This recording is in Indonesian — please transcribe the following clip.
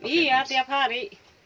iya tiap hari